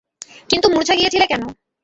কিন্তু মূর্ছা গিয়েছিলে কেন?